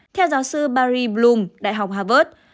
theo giáo sư barry bloom đại học harvard